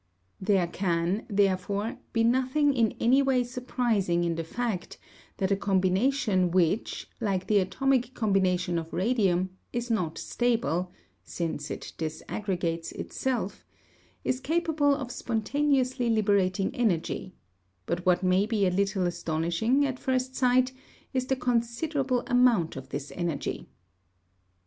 There can, therefore, be nothing in any way surprising in the fact that a combination which, like the atomic combination of radium, is not stable since it disaggregates itself, is capable of spontaneously liberating energy, but what may be a little astonishing, at first sight, is the considerable amount of this energy.